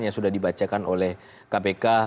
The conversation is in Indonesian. yang sudah dibacakan oleh kpk